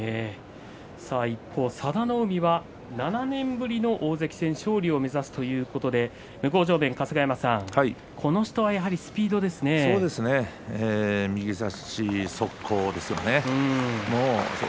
一方、佐田の海は７年ぶりの大関戦勝利を目指すということで春日山さんそうですね右差し速攻です。